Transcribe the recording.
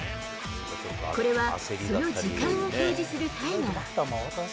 これは、その時間を表示するタイマーだ。